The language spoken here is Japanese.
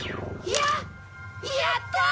やったー！